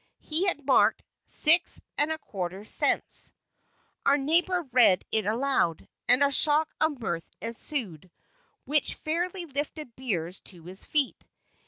He had marked, "Six and a quarter cents." Our neighbor read it aloud, and a shock of mirth ensued, which fairly lifted Beers to his feet.